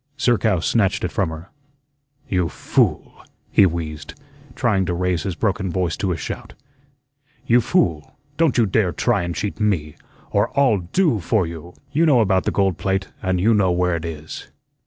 Zerkow snatched it from her. "You fool!" he wheezed, trying to raise his broken voice to a shout. "You fool! Don't you dare try an' cheat ME, or I'll DO for you. You know about the gold plate, and you know where it is."